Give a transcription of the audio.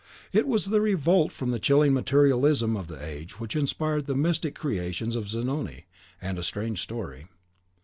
It was the revolt from the chilling materialism of the age which inspired the mystic creations of "Zanoni" and "A Strange Story."